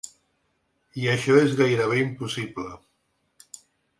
I això és gairebé impossible.